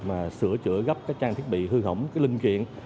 mà sửa chữa gấp các trang thiết bị hư hỏng cái linh kiện